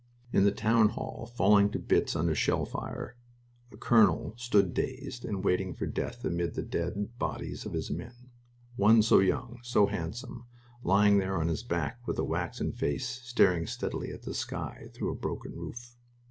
In the Town Hall, falling to bits under shell fire, a colonel stood dazed and waiting for death amid the dead bodies of his men one so young, so handsome, lying there on his back, with a waxen face, staring steadily at the sky through the broken roof....